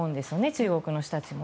中国の人たちも。